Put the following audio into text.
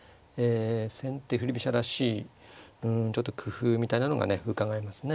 先手振り飛車らしいちょっと工夫みたいなのがうかがえますね。